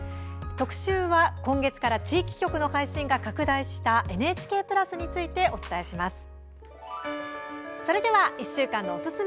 特集は、今月から地域局の配信が拡大したＮＨＫプラスについてお伝えします。